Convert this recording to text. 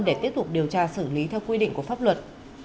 để tiếp tục điều tra xử lý theo quy định của pháp luật